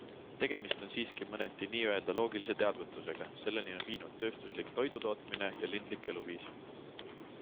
Tegemist on siiski mõneti n-ö loogilise teadmatusega - selleni on viinud tööstuslik toidutootmine ja linlik eluviis.